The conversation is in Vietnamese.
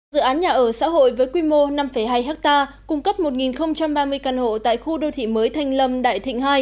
dự án nhà ở xã hội với quy mô năm hai ha cung cấp một ba mươi căn hộ tại khu đô thị mới thanh lâm đại thịnh hai